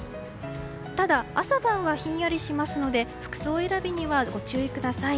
ただ、朝晩はひんやりしますので服装選びにはご注意ください。